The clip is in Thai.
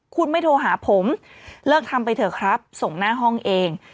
คุณไม่โทรหาผมเลิกทำไปเถอะครับส่งหน้าห้องเอง